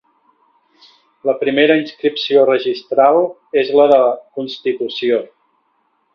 La primera inscripció registral és la de constitució.